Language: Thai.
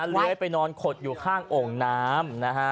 เลยไปนอนขดอยู่ข้างองน้ำ